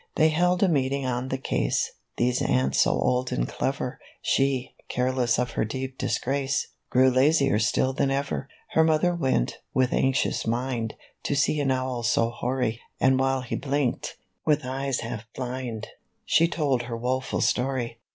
They held a meeting on the case, These ants so old and clever; She, careless of her deep disgrace, Grew lazier still than ever. Her Mother went, with anxious mind, To see an Owl so hoary, And while he blinked, with eyes half blind, She told her woful story.